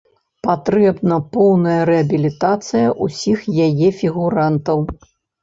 Патрэбна поўная рэабілітацыя ўсіх яе фігурантаў.